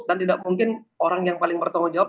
dan tidak mungkin orang yang paling bertanggung jawab